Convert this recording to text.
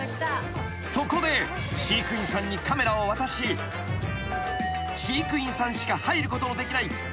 ［そこで飼育員さんにカメラを渡し飼育員さんしか入ることのできないバックヤードで］